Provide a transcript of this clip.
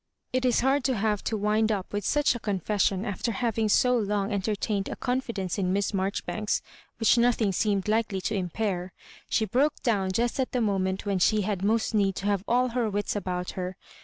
It is hard to have to wind up with such a confession aiter having so long enter tained a confidence in Miss Marjoribanks whidi nothing seemed likely to impair. She broke down just at the moment when she had most need to have all her wits about her.